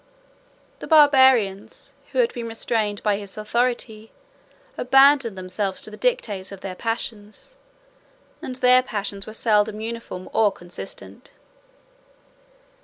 The Barbarians, who had been restrained by his authority, abandoned themselves to the dictates of their passions; and their passions were seldom uniform or consistent.